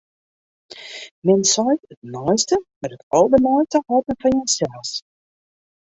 Men seit it neiste, mar it alderneiste hâldt men foar jinsels.